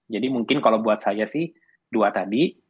jadi mungkin kalau buat saya sih dua tadi